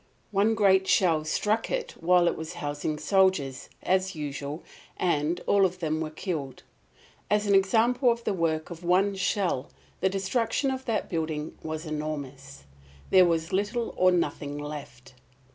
One great shell struck it while it was housing soldiers, as usual, and all of them were killed. As an example of the work of one shell the destruction of that building was enormous. There was little or nothing left.